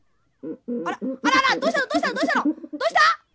あらあららどうしたのどうしたのどうしたの？